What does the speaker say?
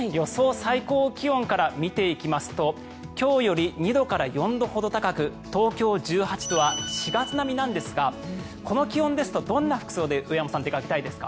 最高気温から見ていきますと今日より２度から４度ほど高く東京１８度は４月並みなんですがこの気温ですとどんな服装で上山さん、出かけたいですか？